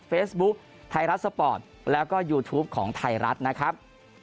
เฟซบุ๊คไทยรัฐสปอร์ตแล้วก็ยูทูปของไทยรัฐนะครับ